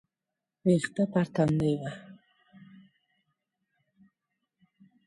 ويښته پر تندي وه.